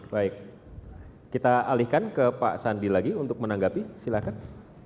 baik kita alihkan ke pak sandi lagi untuk menanggapi silakan